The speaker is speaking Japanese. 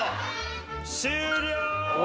終了！